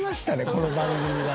この番組が。